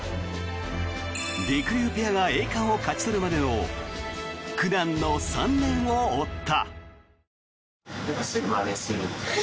りくりゅうペアが栄冠を勝ち取るまでの苦難の３年を追った。